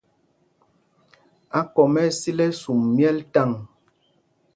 Akɔm ɛ́ ɛ́ sil ɛsum myɛl taŋ.